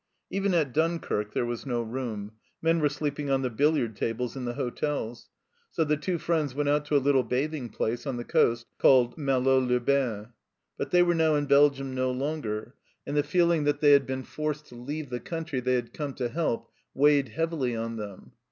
Even at Dunkirk there was no room ; men were sleeping on the billiard tables in the hotels. So the two friends went out to a little bathing place on the coast called Malo les Bains. But they were now in Belgium no longer, and the feeling that 52 THE CELLAR HOUSE OF PERVYSE they had been forced to leave the country they had come to help weighed heavily on them.